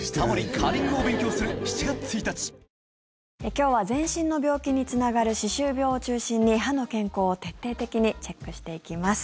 今日は全身の病気につながる歯周病を中心に、歯の健康を徹底的にチェックしていきます。